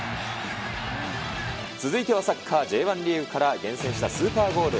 続いてはサッカーＪ１リーグから、厳選したスーパーゴール。